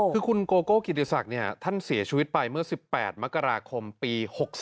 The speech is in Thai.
คือคุณโกโก้กิติศักดิ์ท่านเสียชีวิตไปเมื่อ๑๘มกราคมปี๖๔